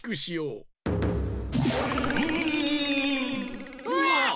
うわ！